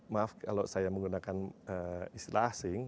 maaf kalau saya menggunakan istilah asing